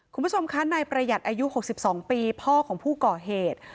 คุณผู้ชมคะนายประหยัดอายุ๖๒ปีพ่อของผู้ก่อเหตุ